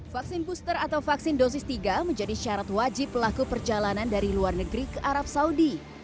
vaksin booster atau vaksin dosis tiga menjadi syarat wajib pelaku perjalanan dari luar negeri ke arab saudi